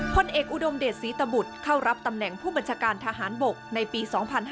พลเอกอุดมเดชศรีตบุตรเข้ารับตำแหน่งผู้บัญชาการทหารบกในปี๒๕๕๙